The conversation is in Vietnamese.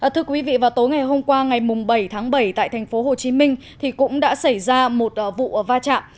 thưa quý vị vào tối ngày hôm qua ngày bảy tháng bảy tại tp hcm cũng đã xảy ra một vụ va chạm